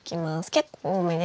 結構多めです。